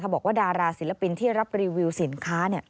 บอกว่าดาราศิลปินที่รับรีวิวสินค้า